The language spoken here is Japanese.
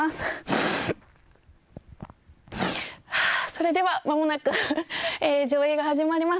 それではまもなく上映が始まります。